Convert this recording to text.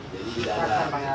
jadi tidak ada